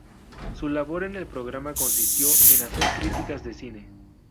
Su labor en el programa consistió en hacer críticas de cine.